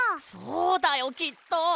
そうだよきっと。